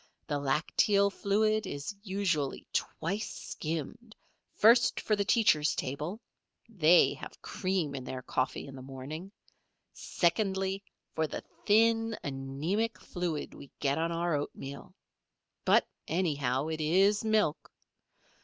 The lacteal fluid is usually twice skimmed, first for the teachers' table (they have cream in their coffee in the morning), secondly for the thin, anæmic fluid we get on our oatmeal. But, anyhow, it is milk.